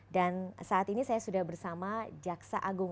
dan saat ini saya sudah bersama jaksa agung